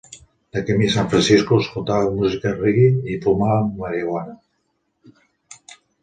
De camí a San Francisco, escoltàvem música reggae i fumàvem marihuana.